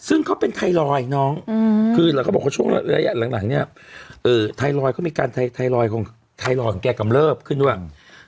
เออไทรอยด์เขามีการไทรอยด์ของแก่กำเลิฟขึ้นด้วย